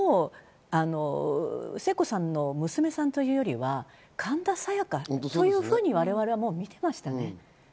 もう聖子さんの娘さんというよりは神田沙也加というふうに我々はもう見てましたね。